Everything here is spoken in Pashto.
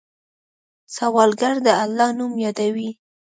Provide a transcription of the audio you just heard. سوالګر د الله نوم یادوي